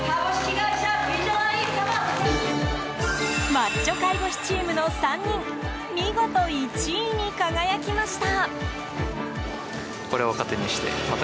マッチョ介護士チームの３人見事、１位に輝きました。